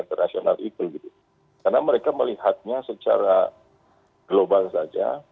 ketika itu presiden marah